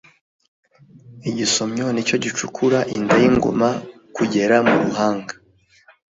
Igisomyo Nicyo gicukura inda y'ingoma guhera mu ruhanga.